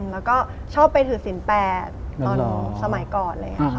แล้วก็ชอบไปถือศิลป์แปดตอนสมัยก่อน